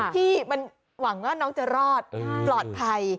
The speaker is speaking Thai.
ที่มันหวังว่าน้องจะรอดปลอดภัย